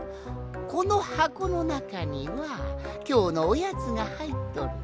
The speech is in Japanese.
このはこのなかにはきょうのおやつがはいっとる。